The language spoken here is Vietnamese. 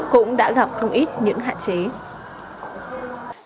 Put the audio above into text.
cũng đã gặp không ít những hạn chế